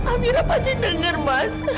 amira pasti denger mas